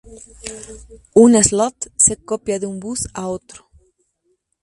Un 'slot' se copia de un bus a otro.